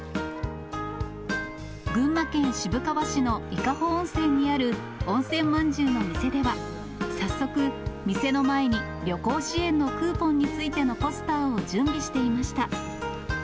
群馬県渋川市の伊香保温泉にある温泉まんじゅうの店では、早速、店の前に旅行支援のクーポンについてのポスターを準備していました。